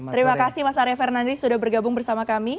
terima kasih mas arya fernandri sudah bergabung bersama kami